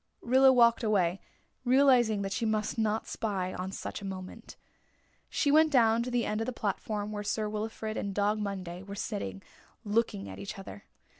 Rilla walked away, realising that she must not spy on such a moment. She went down to the end of the platform where Sir Wilfrid and Dog Monday were sitting, looking at each other.